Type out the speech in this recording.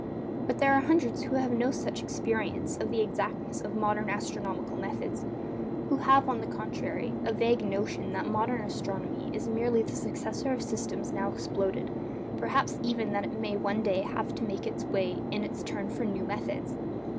But there are hundreds who have no such experience of the exactness of modern astronomical methods—who have, on the contrary, a vague notion that modern astronomy is merely the successor of systems now exploded; perhaps even that it may one day have to make way in its turn for new methods.